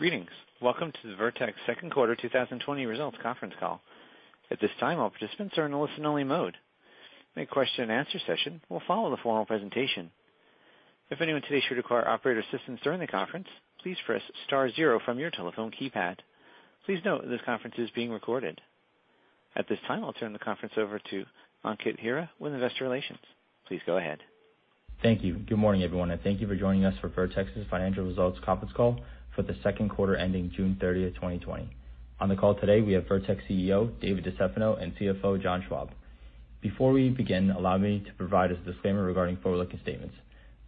Greetings. Welcome to the Vertex second quarter 2020 results conference call. At this time, all participants are in a listen only mode. A question and answer session will follow the formal presentation. If anyone today should require operator assistance during the conference, please press star zero from your telephone keypad. Please note this conference is being recorded. At this time, I'll turn the conference over to Ankit Hira with Investor Relations. Please go ahead. Thank you. Good morning, everyone, and thank you for joining us for Vertex's financial results conference call for the second quarter ending June 30, 2020. On the call today, we have Vertex CEO, David DeStefano, and CFO, John Schwab. Before we begin, allow me to provide a disclaimer regarding forward-looking statements.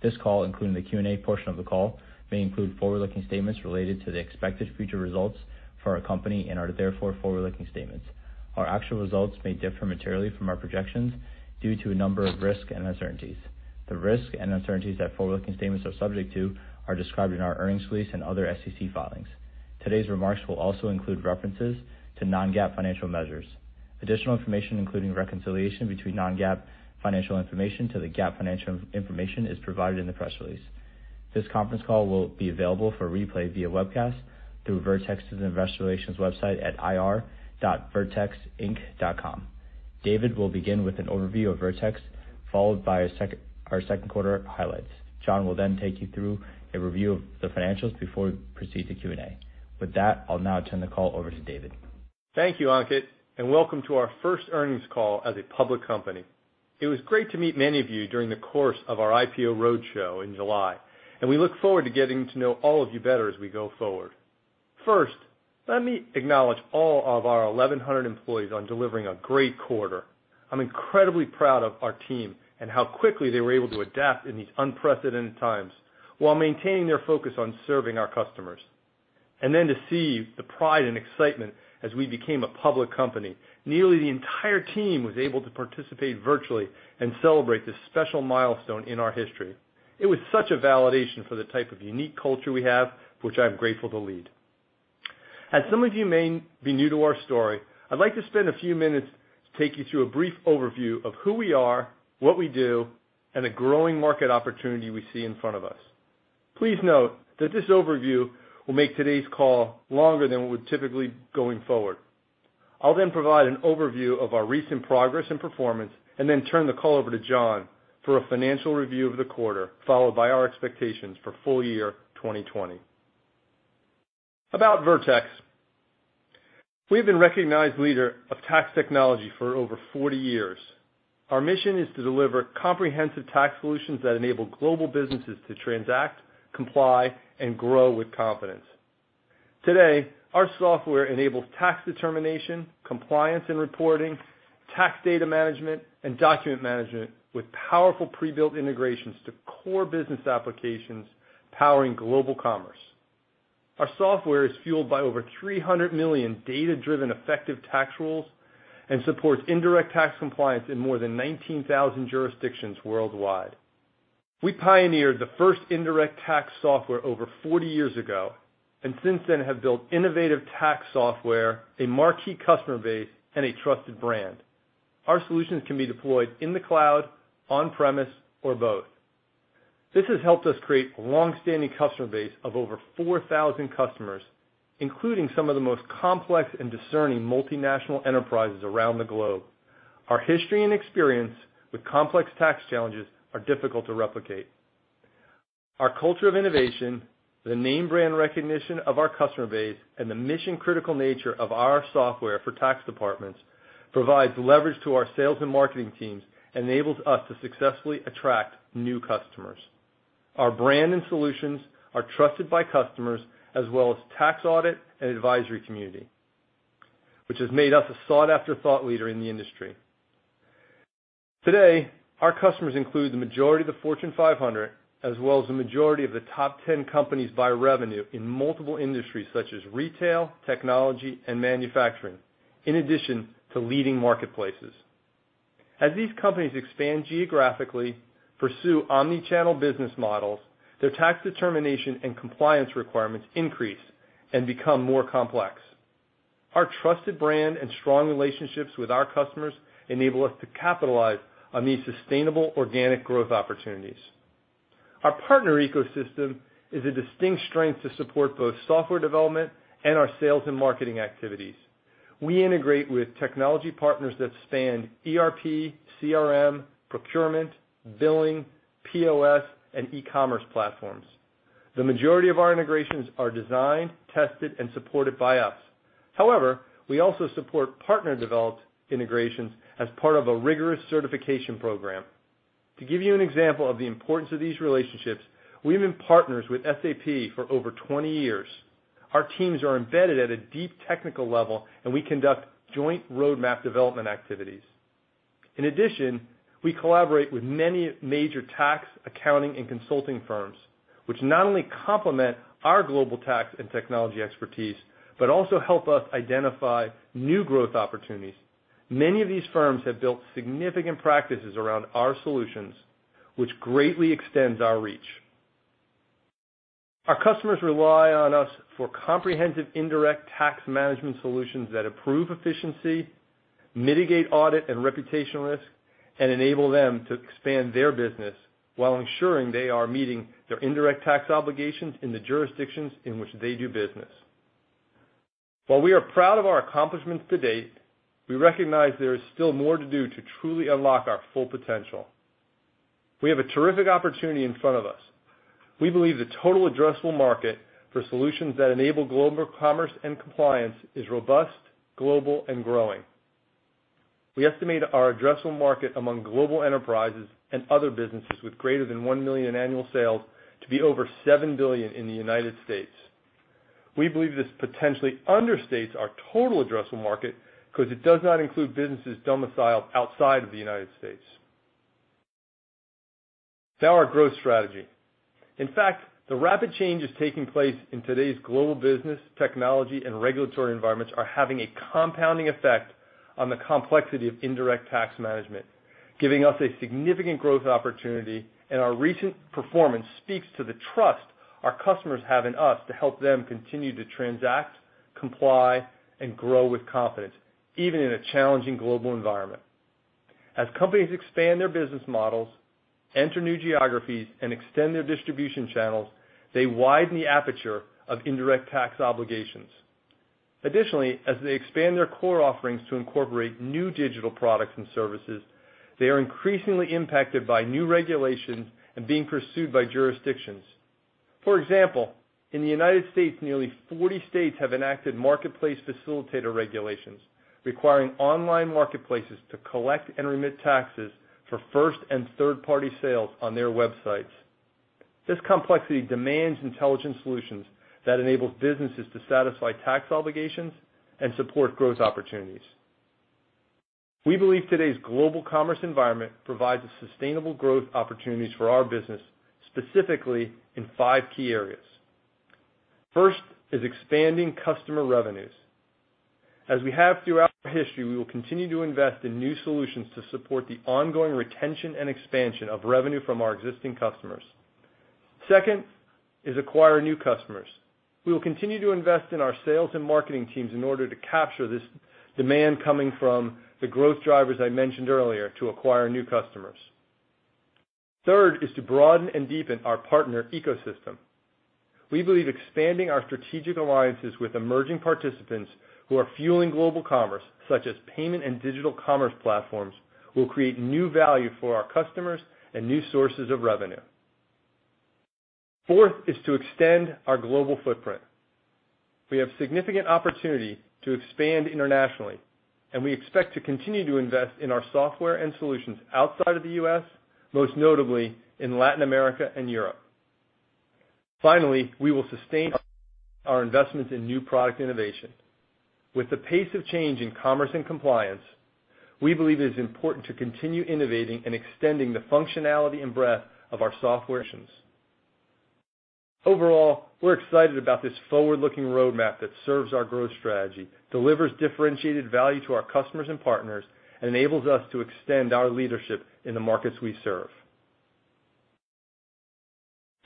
This call, including the Q&A portion of the call, may include forward-looking statements related to the expected future results for our company and are therefore forward-looking statements. Our actual results may differ materially from our projections due to a number of risks and uncertainties. The risks and uncertainties that forward-looking statements are subject to are described in our earnings release and other SEC filings. Today's remarks will also include references to non-GAAP financial measures. Additional information, including reconciliation between non-GAAP financial information to the GAAP financial information is provided in the press release. This conference call will be available for replay via webcast through Vertex's investor relations website at ir.vertexinc.com. David will begin with an overview of Vertex, followed by our second quarter highlights. John will take you through a review of the financials before we proceed to Q&A. With that, I'll now turn the call over to David. Thank you, Ankit, and welcome to our first earnings call as a public company. It was great to meet many of you during the course of our IPO roadshow in July, and we look forward to getting to know all of you better as we go forward. First, let me acknowledge all of our 1,100 employees on delivering a great quarter. I'm incredibly proud of our team and how quickly they were able to adapt in these unprecedented times while maintaining their focus on serving our customers. To see the pride and excitement as we became a public company. Nearly the entire team was able to participate virtually and celebrate this special milestone in our history. It was such a validation for the type of unique culture we have, for which I am grateful to lead. As some of you may be new to our story, I'd like to spend a few minutes to take you through a brief overview of who we are, what we do, and the growing market opportunity we see in front of us. Please note that this overview will make today's call longer than it would typically going forward. I'll then provide an overview of our recent progress and performance and then turn the call over to John for a financial review of the quarter, followed by our expectations for full year 2020. About Vertex. We've been recognized leader of tax technology for over 40 years. Our mission is to deliver comprehensive tax solutions that enable global businesses to transact, comply, and grow with confidence. Today, our software enables tax determination, compliance and reporting, tax data management, and document management with powerful pre-built integrations to core business applications powering global commerce. Our software is fueled by over 300 million data-driven effective tax rules and supports indirect tax compliance in more than 19,000 jurisdictions worldwide. We pioneered the first indirect tax software over 40 years ago, and since then have built innovative tax software, a marquee customer base, and a trusted brand. Our solutions can be deployed in the cloud, on premise, or both. This has helped us create a longstanding customer base of over 4,000 customers, including some of the most complex and discerning multinational enterprises around the globe. Our history and experience with complex tax challenges are difficult to replicate. Our culture of innovation, the name brand recognition of our customer base, and the mission-critical nature of our software for tax departments provides leverage to our sales and marketing teams and enables us to successfully attract new customers. Our brand and solutions are trusted by customers as well as tax audit and advisory community, which has made us a sought-after thought leader in the industry. Today, our customers include the majority of the Fortune 500, as well as the majority of the top 10 companies by revenue in multiple industries such as retail, technology, and manufacturing, in addition to leading marketplaces. As these companies expand geographically, pursue omni-channel business models, their tax determination and compliance requirements increase and become more complex. Our trusted brand and strong relationships with our customers enable us to capitalize on these sustainable organic growth opportunities. Our partner ecosystem is a distinct strength to support both software development and our sales and marketing activities. We integrate with technology partners that span ERP, CRM, procurement, billing, POS, and e-commerce platforms. The majority of our integrations are designed, tested, and supported by us. However, we also support partner-developed integrations as part of a rigorous certification program. To give you an example of the importance of these relationships, we have been partners with SAP for over 20 years. Our teams are embedded at a deep technical level, and we conduct joint roadmap development activities. In addition, we collaborate with many major tax, accounting, and consulting firms, which not only complement our global tax and technology expertise but also help us identify new growth opportunities. Many of these firms have built significant practices around our solutions, which greatly extends our reach. Our customers rely on us for comprehensive indirect tax management solutions that improve efficiency, mitigate audit and reputational risk, and enable them to expand their business while ensuring they are meeting their indirect tax obligations in the jurisdictions in which they do business. While we are proud of our accomplishments to date, we recognize there is still more to do to truly unlock our full potential. We have a terrific opportunity in front of us. We believe the total addressable market for solutions that enable global commerce and compliance is robust, global, and growing. We estimate our addressable market among global enterprises and other businesses with greater than $1 million annual sales to be over $7 billion in the U.S. Our growth strategy. In fact, the rapid changes taking place in today's global business, technology, and regulatory environments are having a compounding effect on the complexity of indirect tax management, giving us a significant growth opportunity, and our recent performance speaks to the trust our customers have in us to help them continue to transact, comply, and grow with confidence, even in a challenging global environment. As companies expand their business models, enter new geographies, and extend their distribution channels, they widen the aperture of indirect tax obligations. Additionally, as they expand their core offerings to incorporate new digital products and services, they are increasingly impacted by new regulations and being pursued by jurisdictions. For example, in the United States, nearly 40 states have enacted marketplace facilitator regulations requiring online marketplaces to collect and remit taxes for first and third-party sales on their websites. This complexity demands intelligent solutions that enable businesses to satisfy tax obligations and support growth opportunities. We believe today's global commerce environment provides sustainable growth opportunities for our business, specifically in five key areas. First is expanding customer revenues. As we have throughout our history, we will continue to invest in new solutions to support the ongoing retention and expansion of revenue from our existing customers. Second is acquire new customers. We will continue to invest in our sales and marketing teams in order to capture this demand coming from the growth drivers I mentioned earlier to acquire new customers. Third is to broaden and deepen our partner ecosystem. We believe expanding our strategic alliances with emerging participants who are fueling global commerce, such as payment and digital commerce platforms, will create new value for our customers and new sources of revenue. Fourth is to extend our global footprint. We have significant opportunity to expand internationally, and we expect to continue to invest in our software and solutions outside of the U.S., most notably in Latin America and Europe. Finally, we will sustain our investments in new product innovation. With the pace of change in commerce and compliance, we believe it is important to continue innovating and extending the functionality and breadth of our software solutions. Overall, we're excited about this forward-looking roadmap that serves our growth strategy, delivers differentiated value to our customers and partners, and enables us to extend our leadership in the markets we serve.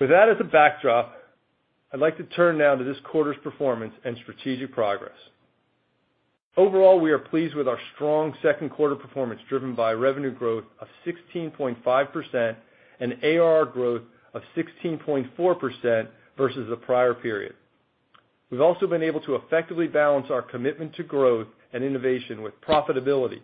With that as a backdrop, I'd like to turn now to this quarter's performance and strategic progress. Overall, we are pleased with our strong second quarter performance, driven by revenue growth of 16.5% and ARR growth of 16.4% versus the prior period. We've also been able to effectively balance our commitment to growth and innovation with profitability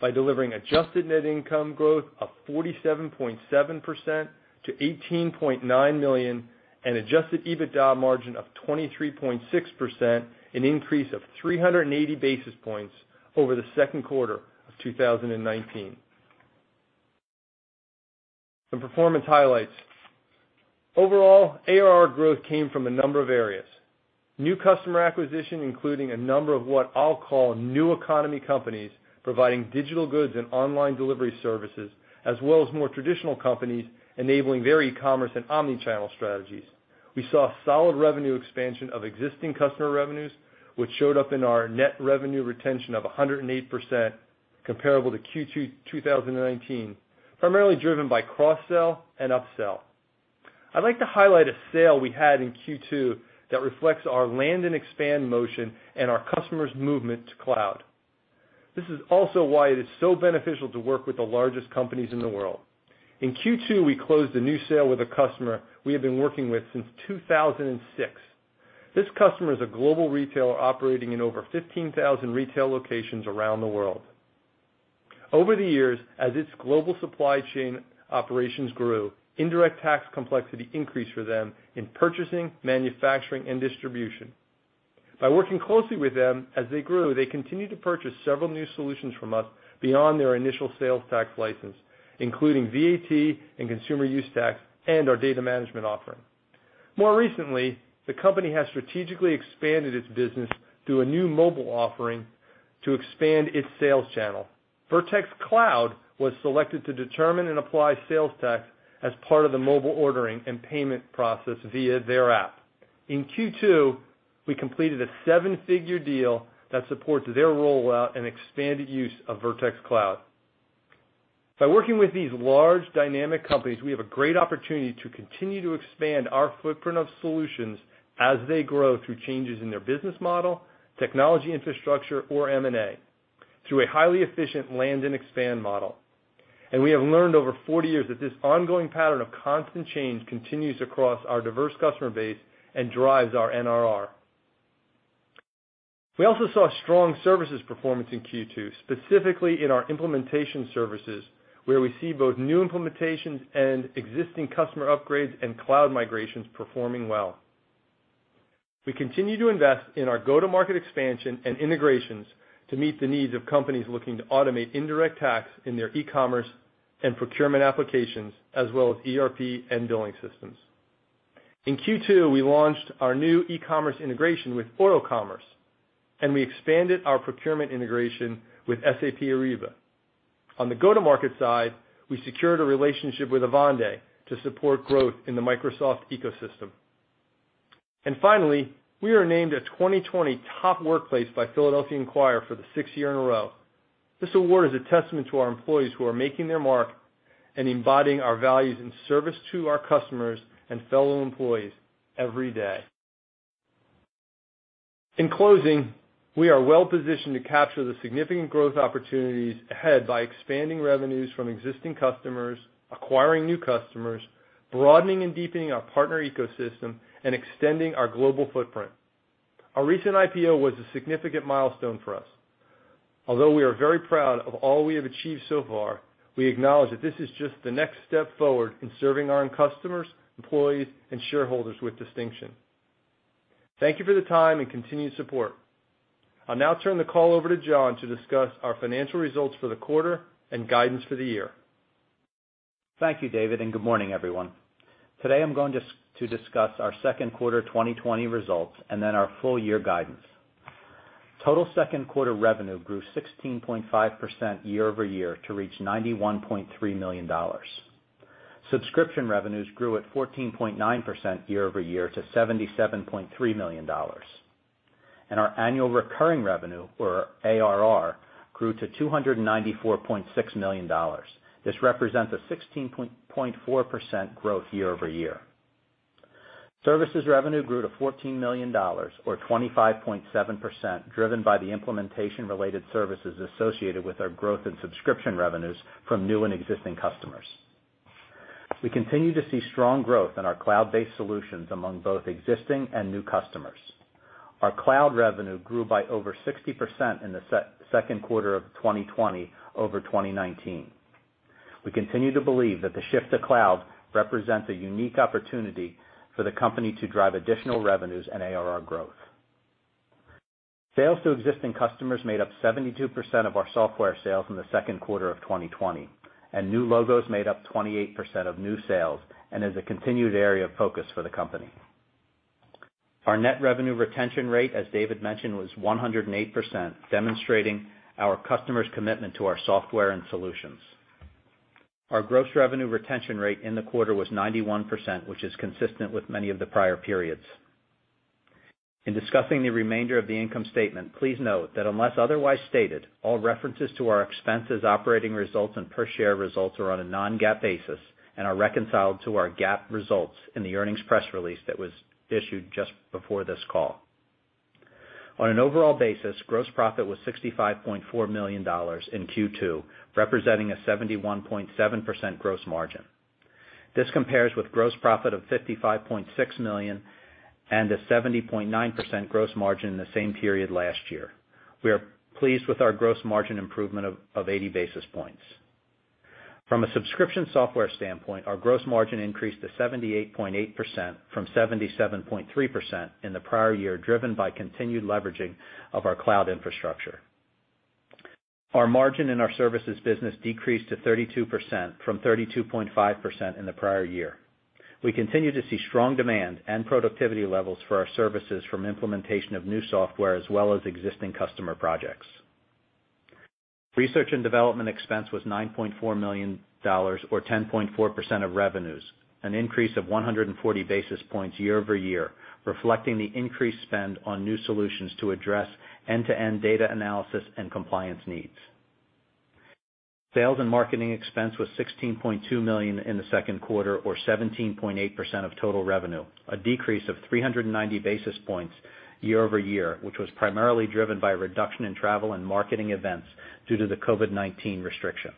by delivering adjusted net income growth of 47.7% to $18.9 million and adjusted EBITDA margin of 23.6%, an increase of 380 basis points over the second quarter of 2019. Some performance highlights. Overall, ARR growth came from a number of areas. New customer acquisition, including a number of what I'll call new economy companies providing digital goods and online delivery services, as well as more traditional companies enabling their e-commerce and omnichannel strategies. We saw solid revenue expansion of existing customer revenues, which showed up in our net revenue retention of 108% comparable to Q2 2019, primarily driven by cross-sell and upsell. I'd like to highlight a sale we had in Q2 that reflects our land and expand motion and our customers' movement to cloud. This is also why it is so beneficial to work with the largest companies in the world. In Q2, we closed a new sale with a customer we have been working with since 2006. This customer is a global retailer operating in over 15,000 retail locations around the world. Over the years, as its global supply chain operations grew, indirect tax complexity increased for them in purchasing, manufacturing, and distribution. By working closely with them as they grew, they continued to purchase several new solutions from us beyond their initial sales tax license, including VAT and consumer use tax and our data management offering. More recently, the company has strategically expanded its business through a new mobile offering to expand its sales channel. Vertex Cloud was selected to determine and apply sales tax as part of the mobile ordering and payment process via their app. In Q2, we completed a $7-figure deal that supports their rollout and expanded use of Vertex Cloud. By working with these large dynamic companies, we have a great opportunity to continue to expand our footprint of solutions as they grow through changes in their business model, technology infrastructure or M&A, through a highly efficient land and expand model. We have learned over 40 years that this ongoing pattern of constant change continues across our diverse customer base and drives our NRR. We also saw strong services performance in Q2, specifically in our implementation services, where we see both new implementations and existing customer upgrades and cloud migrations performing well. We continue to invest in our go-to-market expansion and integrations to meet the needs of companies looking to automate indirect tax in their e-commerce and procurement applications, as well as ERP and billing systems. In Q2, we launched our new e-commerce integration with OroCommerce, and we expanded our procurement integration with SAP Ariba. On the go-to-market side, we secured a relationship with Avanade to support growth in the Microsoft ecosystem. Finally, we are named a 2020 Top Workplace by Philadelphia Inquirer for the sixth year in a row. This award is a testament to our employees who are making their mark and embodying our values in service to our customers and fellow employees every day. In closing, we are well positioned to capture the significant growth opportunities ahead by expanding revenues from existing customers, acquiring new customers, broadening and deepening our partner ecosystem, and extending our global footprint. Our recent IPO was a significant milestone for us. Although we are very proud of all we have achieved so far, we acknowledge that this is just the next step forward in serving our own customers, employees, and shareholders with distinction. Thank you for the time and continued support. I'll now turn the call over to John to discuss our financial results for the quarter and guidance for the year. Thank you, David. Good morning, everyone. Today, I'm going to discuss our second quarter 2020 results, and then our full year guidance. Total second quarter revenue grew 16.5% year-over-year to reach $91.3 million. Subscription revenues grew at 14.9% year-over-year to $77.3 million. Our annual recurring revenue, or ARR, grew to $294.6 million. This represents a 16.4% growth year-over-year. Services revenue grew to $14 million, or 25.7%, driven by the implementation related services associated with our growth in subscription revenues from new and existing customers. We continue to see strong growth in our cloud-based solutions among both existing and new customers. Our cloud revenue grew by over 60% in the second quarter of 2020 over 2019. We continue to believe that the shift to cloud represents a unique opportunity for the company to drive additional revenues and ARR growth. Sales to existing customers made up 72% of our software sales in the second quarter of 2020, and new logos made up 28% of new sales and is a continued area of focus for the company. Our net revenue retention rate, as David mentioned, was 108%, demonstrating our customers' commitment to our software and solutions. Our gross revenue retention rate in the quarter was 91%, which is consistent with many of the prior periods. In discussing the remainder of the income statement, please note that unless otherwise stated, all references to our expenses, operating results, and per share results are on a non-GAAP basis and are reconciled to our GAAP results in the earnings press release that was issued just before this call. On an overall basis, gross profit was $65.4 million in Q2, representing a 71.7% gross margin. This compares with gross profit of $55.6 million and a 70.9% gross margin in the same period last year. We are pleased with our gross margin improvement of 80 basis points. From a subscription software standpoint, our gross margin increased to 78.8% from 77.3% in the prior year, driven by continued leveraging of our cloud infrastructure. Our margin in our services business decreased to 32% from 32.5% in the prior year. We continue to see strong demand and productivity levels for our services from implementation of new software as well as existing customer projects. Research and development expense was $9.4 million or 10.4% of revenues, an increase of 140 basis points year-over-year, reflecting the increased spend on new solutions to address end-to-end data analysis and compliance needs. Sales and marketing expense was $16.2 million in the second quarter, or 17.8% of total revenue, a decrease of 390 basis points year-over-year, which was primarily driven by a reduction in travel and marketing events due to the COVID-19 restrictions.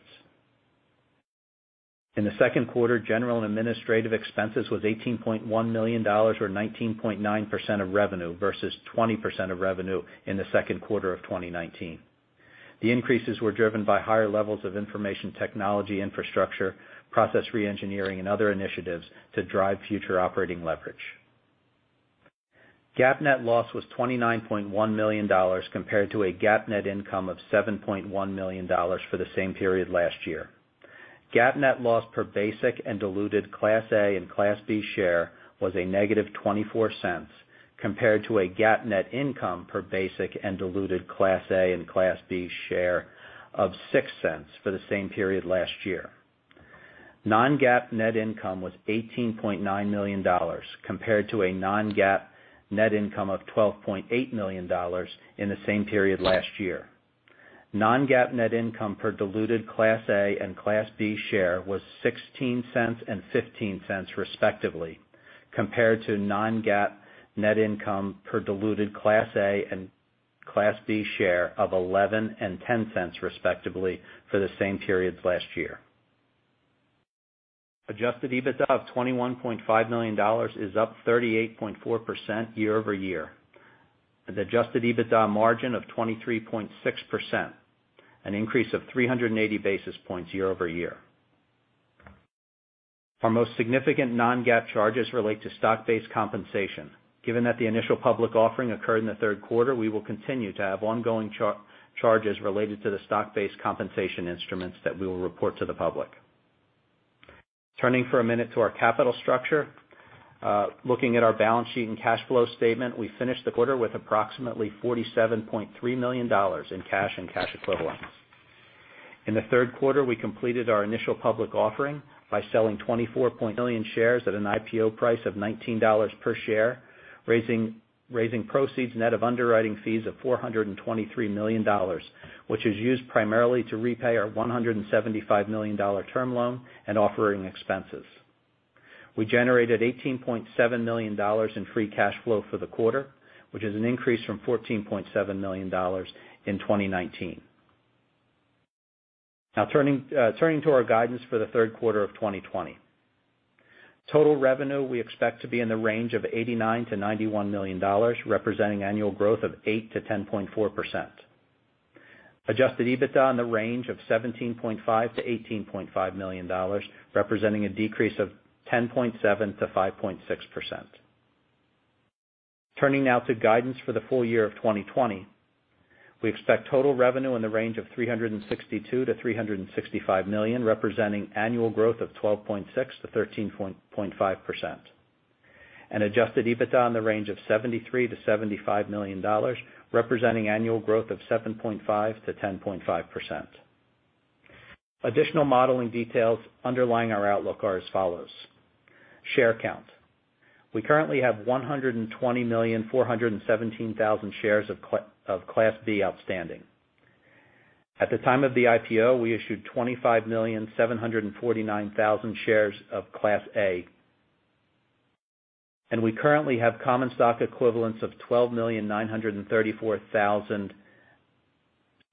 In the second quarter, general and administrative expenses was $18.1 million or 19.9% of revenue, versus 20% of revenue in the second quarter of 2019. The increases were driven by higher levels of information technology infrastructure, process reengineering, and other initiatives to drive future operating leverage. GAAP net loss was $29.1 million compared to a GAAP net income of $7.1 million for the same period last year. GAAP net loss per basic and diluted Class A and Class B share was a -$0.24, compared to a GAAP net income per basic and diluted Class A and Class B share of $0.06 for the same period last year. Non-GAAP net income was $18.9 million compared to a Non-GAAP net income of $12.8 million in the same period last year. Non-GAAP net income per diluted Class A and Class B share was $0.16 and $0.15 respectively, compared to Non-GAAP net income per diluted Class A and Class B share of $0.11 and $0.10 respectively, for the same period last year. Adjusted EBITDA of $21.5 million is up 38.4% year-over-year, with adjusted EBITDA margin of 23.6%, an increase of 380 basis points year-over-year. Our most significant Non-GAAP charges relate to stock-based compensation. Given that the initial public offering occurred in the third quarter, we will continue to have ongoing charges related to the stock-based compensation instruments that we will report to the public. Turning for a minute to our capital structure. Looking at our balance sheet and cash flow statement, we finished the quarter with approximately $47.3 million in cash and cash equivalents. In the third quarter, we completed our initial public offering by selling 24.9 million shares at an IPO price of $19 per share, raising proceeds net of underwriting fees of $423 million, which is used primarily to repay our $175 million term loan and offering expenses. We generated $18.7 million in free cash flow for the quarter, which is an increase from $14.7 million in 2019. Now, turning to our guidance for the third quarter of 2020. Total revenue we expect to be in the range of $89-$91 million, representing annual growth of 8%-10.4%. Adjusted EBITDA in the range of $17.5-$18.5 million, representing a decrease of 10.7%-5.6%. Turning now to guidance for the full year of 2020. We expect total revenue in the range of $362-$365 million, representing annual growth of 12.6%-13.5%. Adjusted EBITDA in the range of $73-$75 million, representing annual growth of 7.5%-10.5%. Additional modeling details underlying our outlook are as follows. Share count. We currently have 120,417,000 shares of Class B outstanding. At the time of the IPO, we issued 25,749,000 shares of Class A. We currently have common stock equivalents of 12,934,000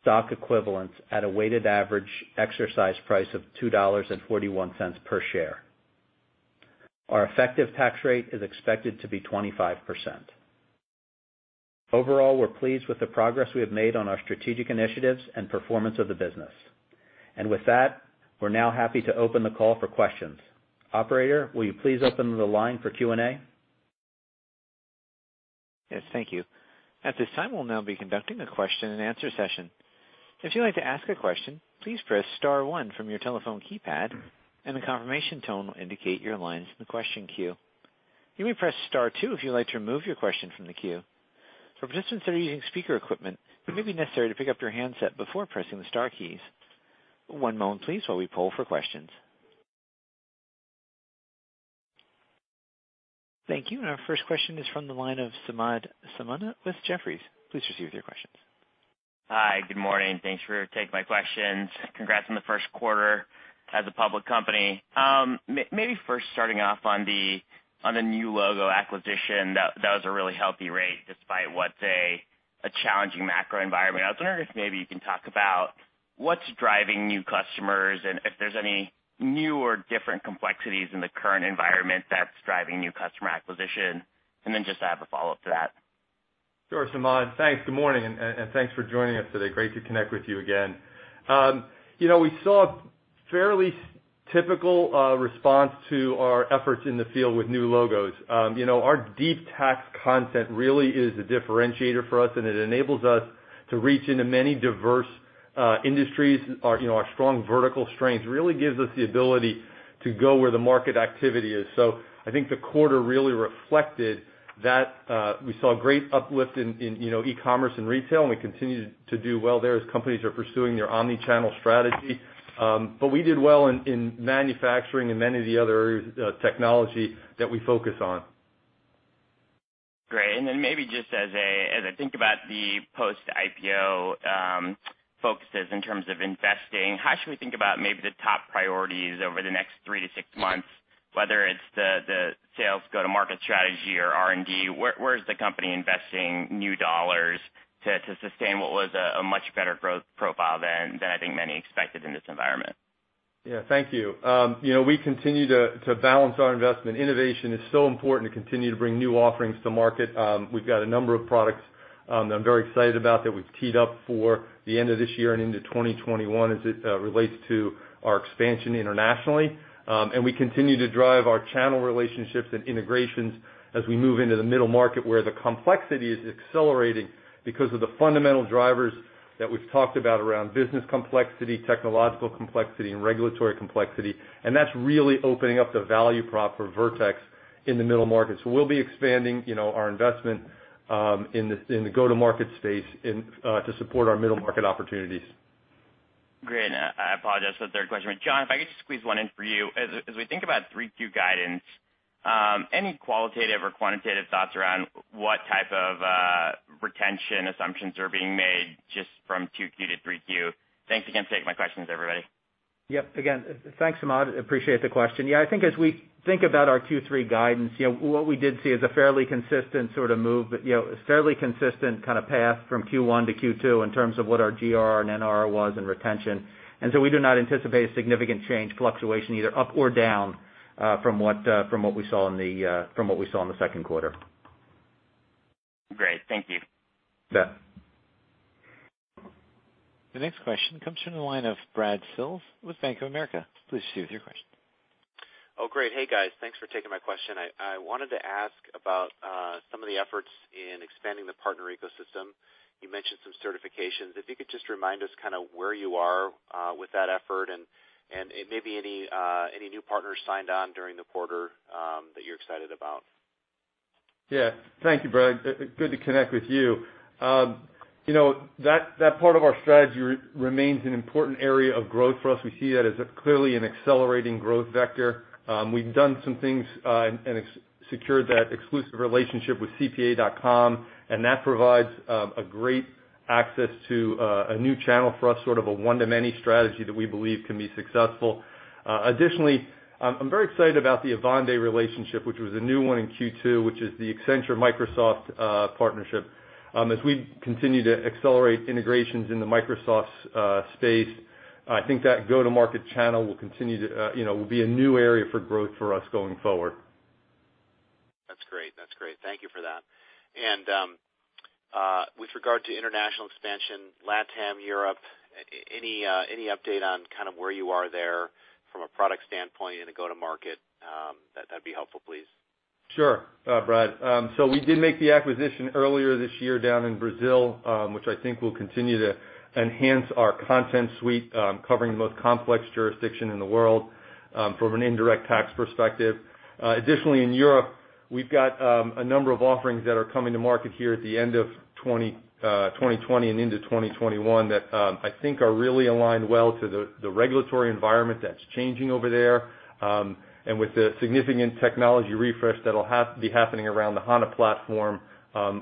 stock equivalents at a weighted average exercise price of $2.41 per share. Our effective tax rate is expected to be 25%. Overall, we're pleased with the progress we have made on our strategic initiatives and performance of the business. With that, we're now happy to open the call for questions. Operator, will you please open the line for Q&A? Yes, thank you. At this time, we'll now be conducting a question and answer session. If you'd like to ask a question, please press star one from your telephone keypad, and a confirmation tone will indicate your line's in the question queue. You may press star two if you'd like to remove your question from the queue. For participants that are using speaker equipment, it may be necessary to pick up your handset before pressing the star keys. One moment please, while we poll for questions. Thank you. Our first question is from the line of Samad Samana with Jefferies. Please proceed with your questions. Hi. Good morning. Thanks for taking my questions. Congrats on the first quarter as a public company. Maybe first starting off on the new logo acquisition. That was a really healthy rate despite what a challenging macro environment. I was wondering if maybe you can talk about what's driving new customers and if there's any new or different complexities in the current environment that's driving new customer acquisition. Just I have a follow-up to that. Sure, Samad. Thanks. Good morning, and thanks for joining us today. Great to connect with you again. We saw a fairly typical response to our efforts in the field with new logos. Our deep tax content really is a differentiator for us, and it enables us to reach into many diverse industries. Our strong vertical strength really gives us the ability to go where the market activity is. I think the quarter really reflected that we saw great uplift in e-commerce and retail, and we continue to do well there as companies are pursuing their omni-channel strategy. We did well in manufacturing and many of the other areas of technology that we focus on. Great. Maybe just as I think about the post-IPO focuses in terms of investing, how should we think about maybe the top priorities over the next three to six months, whether it's the sales go-to-market strategy or R&D? Where is the company investing new dollars to sustain what was a much better growth profile than I think many expected in this environment? Yeah. Thank you. We continue to balance our investment. Innovation is so important to continue to bring new offerings to market. We've got a number of products that I'm very excited about that we've teed up for the end of this year and into 2021 as it relates to our expansion internationally. We continue to drive our channel relationships and integrations as we move into the middle market where the complexity is accelerating because of the fundamental drivers that we've talked about around business complexity, technological complexity, and regulatory complexity. That's really opening up the value prop for Vertex in the middle market. We'll be expanding our investment in the go-to-market space to support our middle market opportunities. Great, I apologize for the third question. John, if I could just squeeze one in for you. As we think about 3Q guidance, any qualitative or quantitative thoughts around what type of retention assumptions are being made just from 2Q to 3Q? Thanks again for taking my questions, everybody. Yep. Again, thanks, Samad. Appreciate the question. Yeah, I think as we think about our Q3 guidance, what we did see is a fairly consistent sort of move, fairly consistent kind of path from Q1 to Q2 in terms of what our GR and NRR was in retention. We do not anticipate a significant change fluctuation either up or down, from what we saw in the second quarter. Great. Thank you. Yeah. The next question comes from the line of Brad Sills with Bank of America. Please proceed with your question. Oh, great. Hey, guys. Thanks for taking my question. I wanted to ask about some of the efforts in expanding the partner ecosystem. You mentioned some certifications. If you could just remind us kind of where you are with that effort and maybe any new partners signed on during the quarter that you're excited about. Yeah. Thank you, Brad. Good to connect with you. That part of our strategy remains an important area of growth for us. We see that as clearly an accelerating growth vector. We've done some things, and secured that exclusive relationship with CPA.com, and that provides a great access to a new channel for us, sort of a one to many strategy that we believe can be successful. Additionally, I'm very excited about the Avanade relationship, which was a new one in Q2, which is the Accenture-Microsoft partnership. As we continue to accelerate integrations in the Microsoft space, I think that go-to-market channel will be a new area for growth for us going forward. That's great. Thank you for that. With regard to international expansion, LATAM, Europe, any update on kind of where you are there from a product standpoint and a go-to-market? That'd be helpful, please. Sure, Brad. We did make the acquisition earlier this year down in Brazil, which I think will continue to enhance our content suite, covering the most complex jurisdiction in the world, from an indirect tax perspective. Additionally, in Europe, we've got a number of offerings that are coming to market here at the end of 2020 and into 2021 that I think are really aligned well to the regulatory environment that's changing over there. With the significant technology refresh that'll be happening around the HANA platform,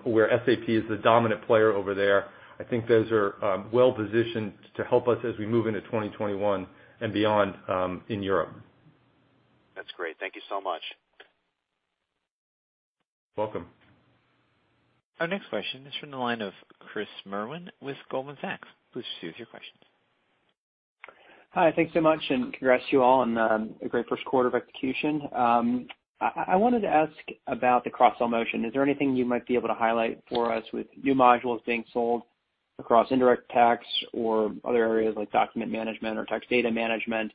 where SAP is the dominant player over there, I think those are well-positioned to help us as we move into 2021 and beyond in Europe. That's great. Thank you so much. Welcome. Our next question is from the line of Chris Merwin with Goldman Sachs. Please proceed with your questions. Hi. Thanks so much, and congrats to you all on a great first quarter of execution. I wanted to ask about the cross-sell motion. Is there anything you might be able to highlight for us with new modules being sold across indirect tax or other areas like document management or tax data management?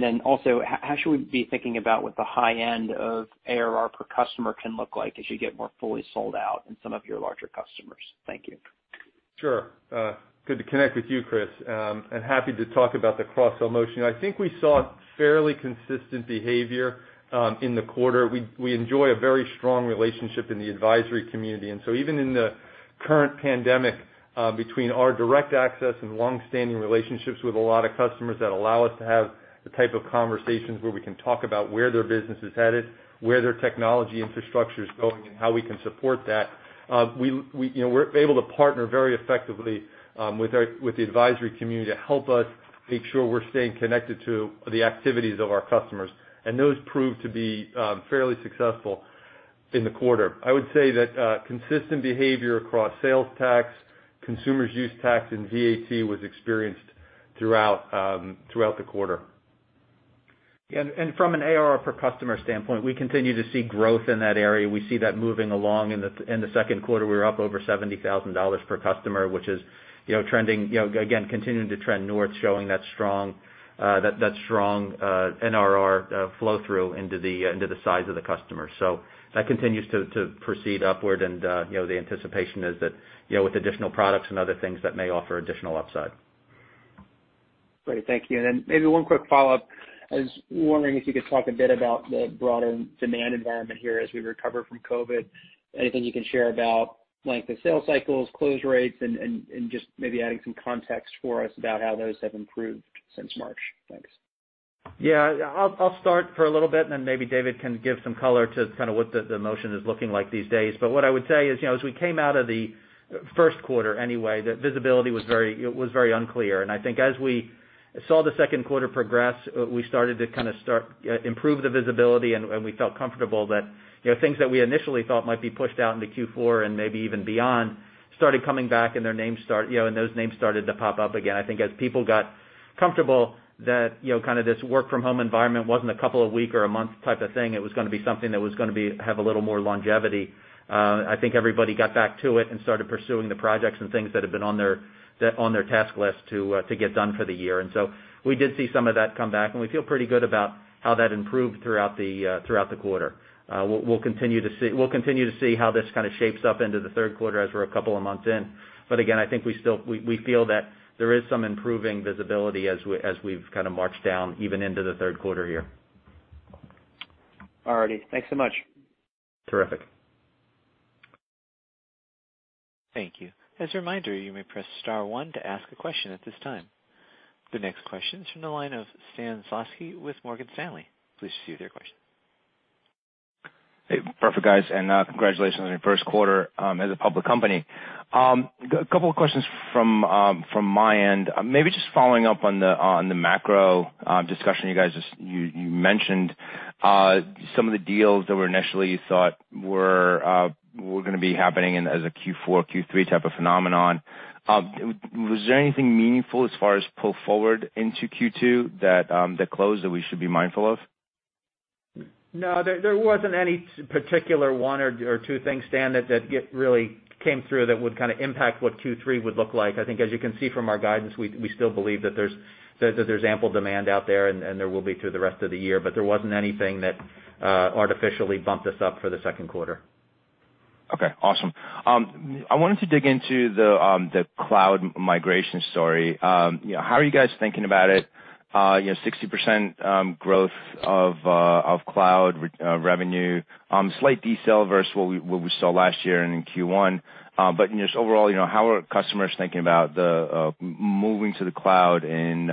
Then also, how should we be thinking about what the high end of ARR per customer can look like as you get more fully sold out in some of your larger customers? Thank you. Sure. Good to connect with you, Chris, happy to talk about the cross-sell motion. I think we saw fairly consistent behavior, in the quarter. We enjoy a very strong relationship in the advisory community, even in the current pandemic, between our direct access and longstanding relationships with a lot of customers that allow us to have the type of conversations where we can talk about where their business is headed, where their technology infrastructure is going, and how we can support that. We're able to partner very effectively with the advisory community to help us make sure we're staying connected to the activities of our customers, those prove to be fairly successful in the quarter. I would say that consistent behavior across sales tax, consumer use tax, and VAT was experienced throughout the quarter. From an ARR-per-customer standpoint, we continue to see growth in that area. We see that moving along. In the second quarter, we were up over $70,000 per customer, which is continuing to trend north, showing that strong NRR flow through into the size of the customer. That continues to proceed upward and the anticipation is that with additional products and other things, that may offer additional upside. Great. Thank you. Maybe one quick follow-up. I was wondering if you could talk a bit about the broader demand environment here as we recover from COVID-19. Anything you can share about length of sales cycles, close rates, and just maybe adding some context for us about how those have improved since March. Thanks. I'll start for a little bit, maybe David can give some color to kind of what the motion is looking like these days. What I would say is, as we came out of the first quarter anyway, the visibility was very unclear. I think as we saw the second quarter progress, we started to kind of improve the visibility, and we felt comfortable that things that we initially thought might be pushed out into Q4 and maybe even beyond, started coming back and those names started to pop up again. I think as people got comfortable that this work from home environment wasn't a couple of week or a month type of thing, it was going to be something that was going to have a little more longevity. I think everybody got back to it and started pursuing the projects and things that had been on their task list to get done for the year. We did see some of that come back, and we feel pretty good about how that improved throughout the quarter. We'll continue to see how this kind of shapes up into the third quarter as we're a couple of months in. Again, I think we feel that there is some improving visibility as we've kind of marched down even into the third quarter here. All righty. Thanks so much. Terrific. Thank you. As a reminder, you may press star one to ask a question at this time. The next question is from the line of Stan Zlotsky with Morgan Stanley. Please proceed with your question. Perfect guys, congratulations on your first quarter as a public company. A couple of questions from my end. Maybe just following up on the macro discussion, you mentioned some of the deals that were initially thought were going to be happening as a Q4, Q3 type of phenomenon. Was there anything meaningful as far as pull forward into Q2 that closed that we should be mindful of? No, there wasn't any particular one or two things, Stan, that really came through that would impact what Q3 would look like. I think as you can see from our guidance, we still believe that there's ample demand out there and there will be through the rest of the year. There wasn't anything that artificially bumped us up for the second quarter. Okay, awesome. I wanted to dig into the cloud migration story. How are you guys thinking about it? 60% growth of cloud revenue. Slight decel versus what we saw last year and in Q1. Just overall, how are customers thinking about the moving to the cloud in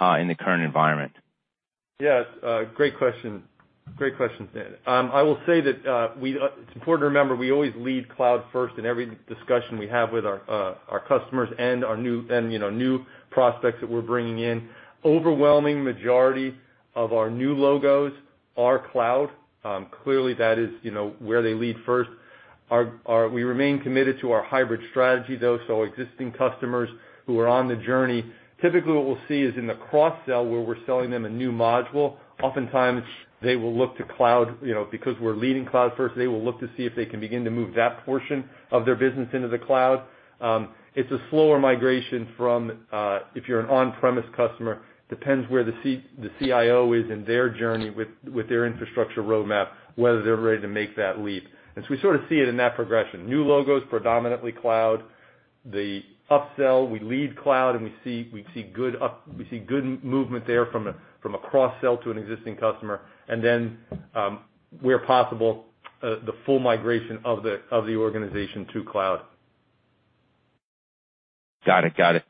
the current environment? Yes, great question, Stan. I will say that it's important to remember, we always lead cloud first in every discussion we have with our customers and new prospects that we're bringing in. Overwhelming majority of our new logos are cloud. Clearly, that is where they lead first. We remain committed to our hybrid strategy, though, so existing customers who are on the journey. Typically, what we'll see is in the cross-sell, where we're selling them a new module, oftentimes, they will look to cloud. Because we're leading cloud first, they will look to see if they can begin to move that portion of their business into the cloud. It's a slower migration from, if you're an on-premise customer, depends where the CIO is in their journey with their infrastructure roadmap, whether they're ready to make that leap. We sort of see it in that progression. New logos, predominantly cloud. The up-sell, we lead cloud, and we see good movement there from a cross-sell to an existing customer. Where possible, the full migration of the organization to cloud. Got it.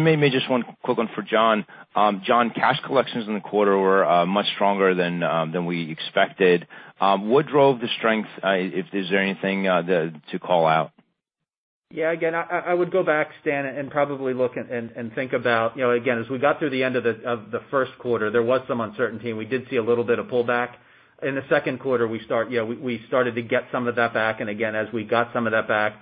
Maybe just one quick one for John. John, cash collections in the quarter were much stronger than we expected. What drove the strength? Is there anything to call out? Yeah. Again, I would go back, Stan, and probably look and think about, again, as we got through the end of the first quarter, there was some uncertainty, and we did see a little bit of pullback. In the second quarter, we started to get some of that back, and again, as we got some of that back,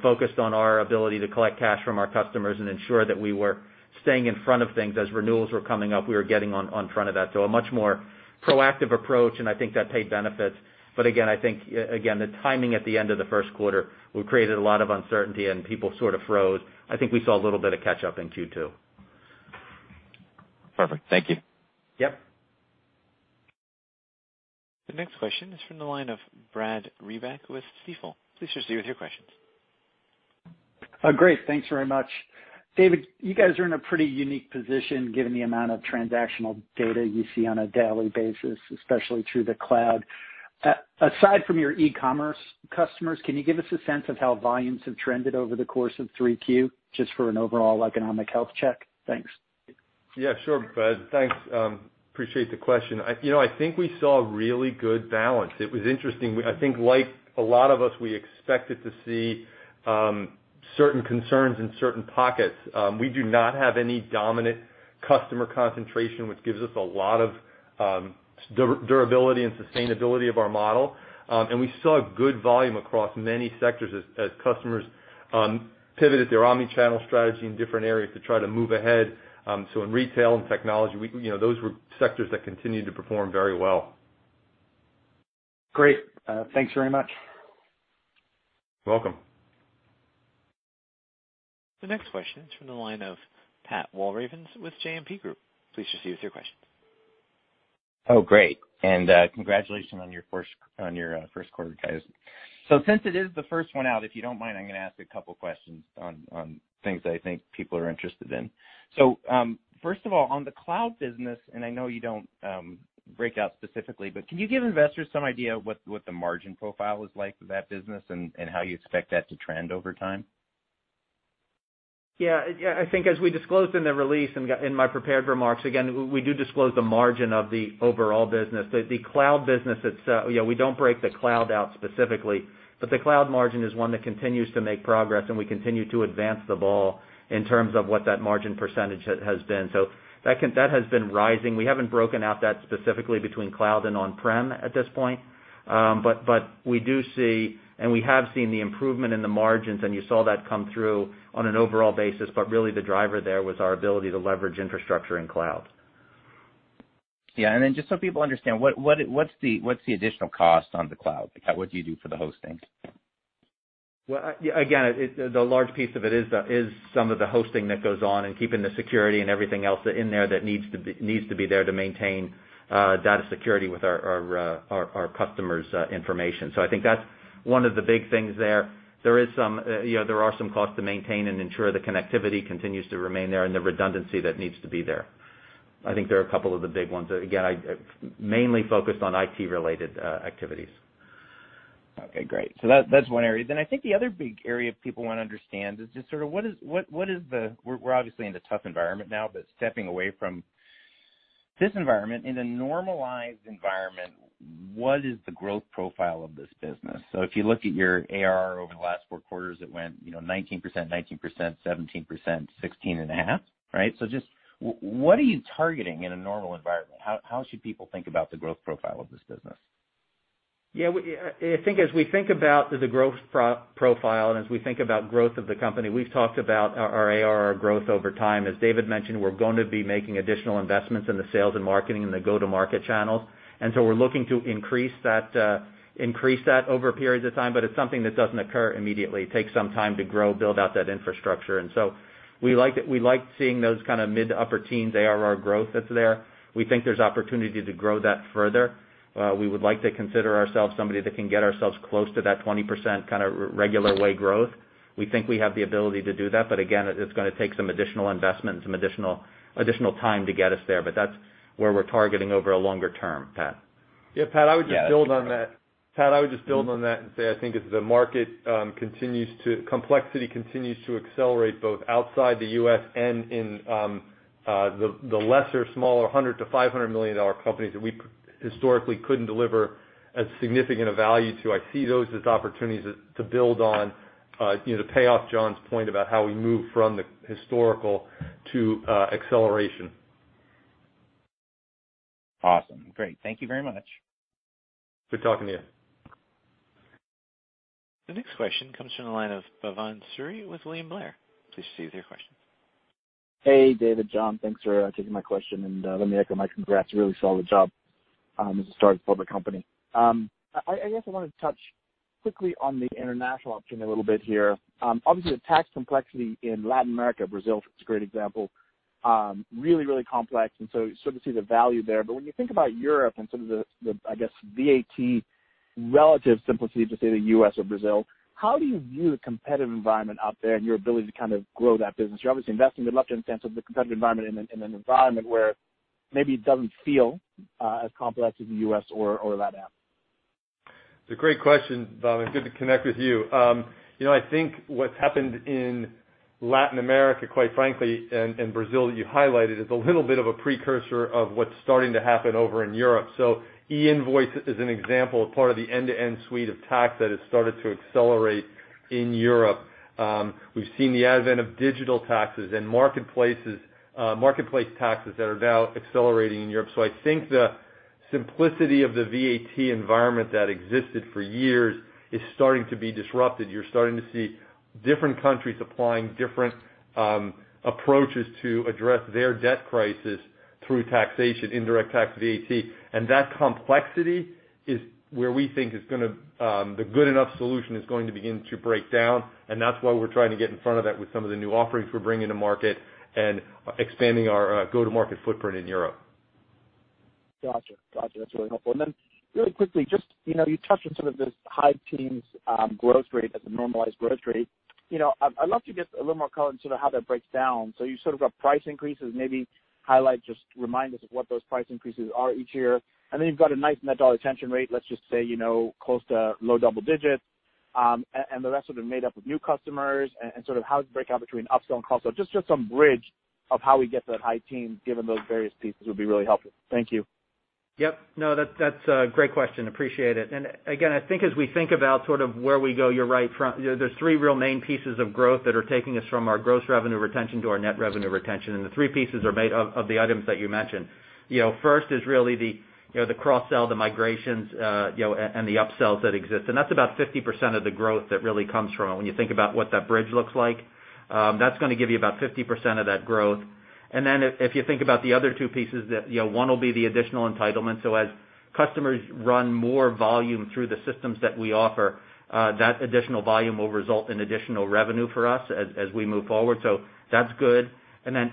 focused on our ability to collect cash from our customers and ensure that we were staying in front of things. As renewals were coming up, we were getting on front of that. A much more proactive approach, and I think that paid benefits. Again, I think the timing at the end of the first quarter created a lot of uncertainty, and people sort of froze. I think we saw a little bit of catch up in Q2. Perfect. Thank you. Yep. The next question is from the line of Brad Reback with Stifel. Please proceed with your questions. Great. Thanks very much. David, you guys are in a pretty unique position given the amount of transactional data you see on a daily basis, especially through the cloud. Aside from your e-commerce customers, can you give us a sense of how volumes have trended over the course of 3Q, just for an overall economic health check? Thanks. Yeah, sure, Brad. Thanks. Appreciate the question. I think we saw a really good balance. It was interesting. I think like a lot of us, we expected to see certain concerns in certain pockets. We do not have any dominant customer concentration, which gives us a lot of durability and sustainability of our model. We saw good volume across many sectors as customers pivoted their omni-channel strategy in different areas to try to move ahead. In retail and technology, those were sectors that continued to perform very well. Great. Thanks very much. You're welcome. The next question is from the line of Pat Walravens with JMP Group. Please proceed with your question. Great. Congratulations on your first quarter, guys. Since it is the first one out, if you don't mind, I'm going to ask a couple questions on things I think people are interested in. First of all, on the cloud business, and I know you don't break out specifically, but can you give investors some idea what the margin profile is like for that business and how you expect that to trend over time? I think as we disclosed in the release and in my prepared remarks, again, we do disclose the margin of the overall business. The cloud business, we don't break the cloud out specifically. The cloud margin is one that continues to make progress, and we continue to advance the ball in terms of what that margin percentage has been. That has been rising. We haven't broken out that specifically between cloud and on-prem at this point. We do see, and we have seen the improvement in the margins, and you saw that come through on an overall basis, but really the driver there was our ability to leverage infrastructure in cloud. Yeah. Just so people understand, what's the additional cost on the cloud? What do you do for the hosting? Again, the large piece of it is some of the hosting that goes on and keeping the security and everything else in there that needs to be there to maintain data security with our customers' information. I think that's one of the big things there. There are some costs to maintain and ensure the connectivity continues to remain there and the redundancy that needs to be there. I think there are a couple of the big ones. Again, mainly focused on IT-related activities. Okay, great. That's one area. I think the other big area people want to understand is just sort of what is the We're obviously in a tough environment now, but stepping away from this environment, in a normalized environment, what is the growth profile of this business? If you look at your ARR over the last four quarters, it went 19%, 19%, 17%, 16.5%, right? Just what are you targeting in a normal environment? How should people think about the growth profile of this business? Yeah. I think as we think about the growth profile, and as we think about growth of the company, we've talked about our ARR growth over time. As David mentioned, we're going to be making additional investments in the sales and marketing and the go-to-market channels. We're looking to increase that over periods of time, but it's something that doesn't occur immediately. It takes some time to grow, build out that infrastructure. We liked seeing those kind of mid to upper teens ARR growth that's there. We think there's opportunity to grow that further. We would like to consider ourselves somebody that can get ourselves close to that 20% kind of regular way growth. We think we have the ability to do that, but again, it's going to take some additional investment and some additional time to get us there. That's where we're targeting over a longer term, Pat. Yeah, Pat, I would just build on that. Pat, I would just build on that and say, I think as the market continues to complexity continues to accelerate both outside the U.S. and in the lesser, smaller, $100 million-$500 million companies that we historically couldn't deliver as significant a value to, I see those as opportunities to build on. To pay off John's point about how we move from the historical to acceleration. Awesome. Great. Thank you very much. Good talking to you. The next question comes from the line of Bhavan Suri with William Blair. Please proceed with your question. Hey, David, John, thanks for taking my question. Let me echo my congrats. Really solid job as a start public company. I guess I wanted to touch quickly on the international option a little bit here. Obviously, the tax complexity in Latin America, Brazil is a great example, really complex. You sort of see the value there. When you think about Europe and some of the, I guess, VAT relative simplicity to, say, the U.S. or Brazil, how do you view the competitive environment out there and your ability to kind of grow that business? You're obviously investing. I'd love to understand sort of the competitive environment in an environment where maybe it doesn't feel as complex as the U.S. or Latin. It's a great question, Bhavan. It's good to connect with you. I think what's happened in Latin America, quite frankly, and Brazil, that you highlighted, is a little bit of a precursor of what's starting to happen over in Europe. E-invoice is an example of part of the end-to-end suite of tax that has started to accelerate in Europe. We've seen the advent of digital taxes and marketplace taxes that are now accelerating in Europe. I think the simplicity of the VAT environment that existed for years is starting to be disrupted. You're starting to see different countries applying different approaches to address their debt crisis through taxation, indirect tax, VAT. That complexity is where we think the good enough solution is going to begin to break down, and that's why we're trying to get in front of that with some of the new offerings we're bringing to market and expanding our go-to-market footprint in Europe. Got you. That's really helpful. Really quickly, you touched on sort of this high teens growth rate as a normalized growth rate. I'd love to get a little more color on sort of how that breaks down. You sort of got price increases. Maybe highlight, just remind us of what those price increases are each year. You've got a nice net dollar retention rate, let's just say, close to low double digits. The rest of it made up of new customers and sort of how's the breakout between upsell and cross-sell? Just some bridge of how we get to that high teens given those various pieces would be really helpful. Thank you. Yep. No, that's a great question. Appreciate it. I think as we think about sort of where we go, you're right, there's three real main pieces of growth that are taking us from our gross revenue retention to our net revenue retention, and the three pieces are made of the items that you mentioned. First is really the cross-sell, the migrations, and the upsells that exist. That's about 50% of the growth that really comes from it. When you think about what that bridge looks like, that's going to give you about 50% of that growth. If you think about the other two pieces that one will be the additional entitlement. As customers run more volume through the systems that we offer, that additional volume will result in additional revenue for us as we move forward, so that's good.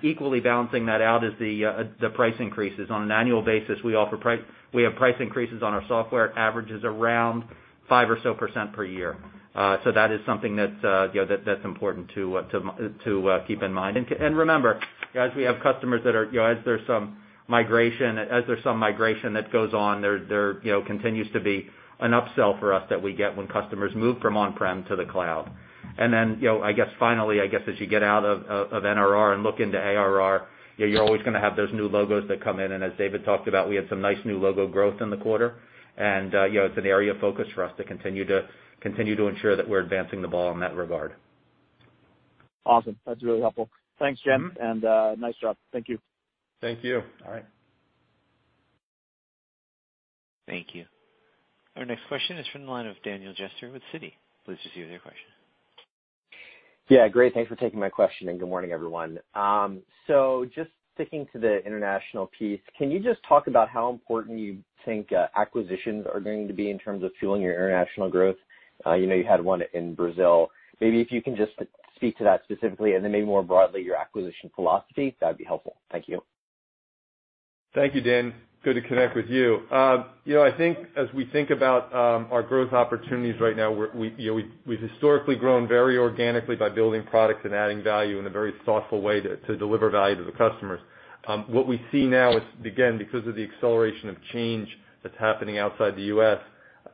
Equally balancing that out is the price increases. On an annual basis, we have price increases on our software. It averages around 5% or so per year. That is something that's important to keep in mind. Remember, guys, we have customers that as there's some migration that goes on, there continues to be an upsell for us that we get when customers move from on-prem to the cloud. I guess finally, I guess as you get out of NRR and look into ARR, you're always going to have those new logos that come in. As David talked about, we had some nice new logo growth in the quarter. It's an area of focus for us to continue to ensure that we're advancing the ball in that regard. Awesome. That's really helpful. Thanks, gents, and nice job. Thank you. Thank you. All right. Thank you. Our next question is from the line of Daniel Jester with Citi. Please proceed with your question. Yeah, great. Thanks for taking my question, and good morning, everyone. Sticking to the international piece, can you just talk about how important you think acquisitions are going to be in terms of fueling your international growth? You had one in Brazil. Maybe if you can just speak to that specifically and then maybe more broadly, your acquisition philosophy, that would be helpful. Thank you. Thank you, Dan. Good to connect with you. I think as we think about our growth opportunities right now, we've historically grown very organically by building products and adding value in a very thoughtful way to deliver value to the customers. What we see now is, again, because of the acceleration of change that's happening outside the U.S.,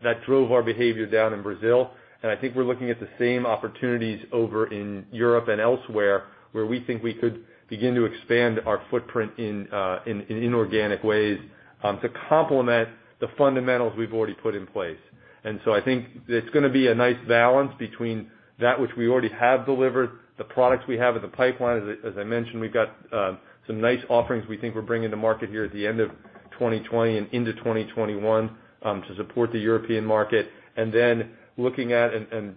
that drove our behavior down in Brazil, and I think we're looking at the same opportunities over in Europe and elsewhere, where we think we could begin to expand our footprint in inorganic ways to complement the fundamentals we've already put in place. I think it's going to be a nice balance between that which we already have delivered, the products we have in the pipeline. As I mentioned, we've got some nice offerings we think we're bringing to market here at the end of 2020 and into 2021 to support the European market. Then looking at and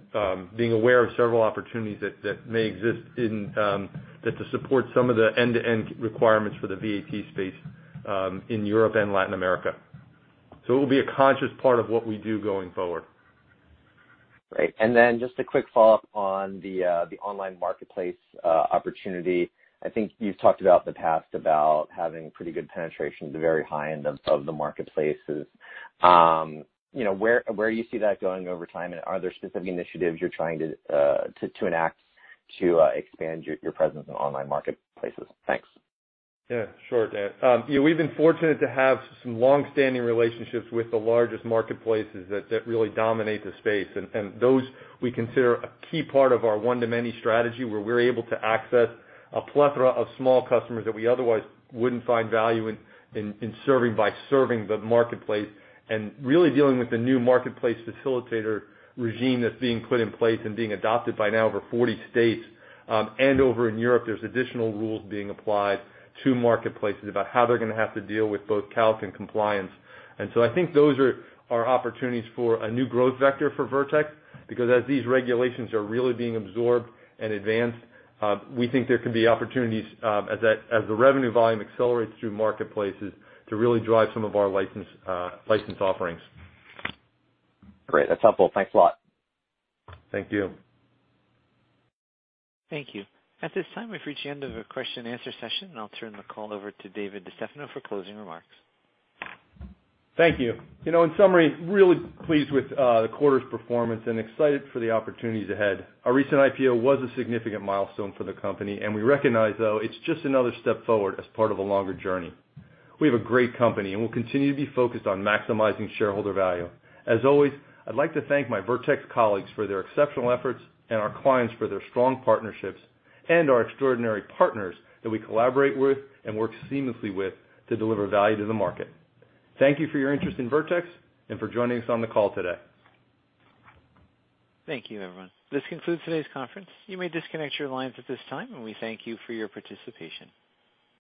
being aware of several opportunities that may exist to support some of the end-to-end requirements for the VAT space in Europe and Latin America. It will be a conscious part of what we do going forward. Great. Just a quick follow-up on the online marketplace opportunity. I think you've talked about in the past about having pretty good penetration at the very high end of the marketplaces. Where do you see that going over time? Are there specific initiatives you're trying to enact to expand your presence in online marketplaces? Thanks. Yeah. Sure, Dan. We've been fortunate to have some longstanding relationships with the largest marketplaces that really dominate the space. Those we consider a key part of our one-to-many strategy, where we're able to access a plethora of small customers that we otherwise wouldn't find value in serving by serving the marketplace and really dealing with the new marketplace facilitator regime that's being put in place and being adopted by now over 40 states. Over in Europe, there's additional rules being applied to marketplaces about how they're going to have to deal with both calc and compliance. I think those are opportunities for a new growth vector for Vertex, Inc., because as these regulations are really being absorbed and advanced, we think there can be opportunities as the revenue volume accelerates through marketplaces to really drive some of our license offerings. Great. That's helpful. Thanks a lot. Thank you. Thank you. At this time, we've reached the end of the question and answer session. I'll turn the call over to David DeStefano for closing remarks. Thank you. In summary, really pleased with the quarter's performance and excited for the opportunities ahead. Our recent IPO was a significant milestone for the company, and we recognize, though, it's just another step forward as part of a longer journey. We have a great company, and we'll continue to be focused on maximizing shareholder value. As always, I'd like to thank my Vertex colleagues for their exceptional efforts and our clients for their strong partnerships and our extraordinary partners that we collaborate with and work seamlessly with to deliver value to the market. Thank you for your interest in Vertex and for joining us on the call today. Thank you, everyone. This concludes today's conference. You may disconnect your lines at this time, and we thank you for your participation.